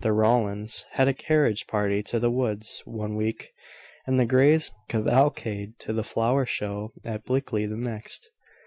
The Rowlands had a carriage party to the woods one week, and the Greys a cavalcade to the flower show at Blickley the next.